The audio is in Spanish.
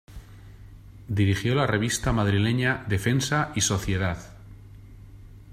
Dirigió la revista madrileña "Defensa y Sociedad".